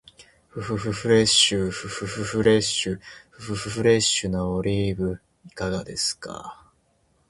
ふふふフレッシュ、ふふふフレッシュ、ふふふフレッシュなオリーブいかがですか？